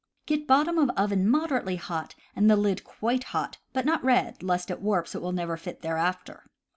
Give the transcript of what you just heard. Get bottom of oven moderately hot, and the lid quite hot, but not red, lest it warp so that it will never fit thereafter.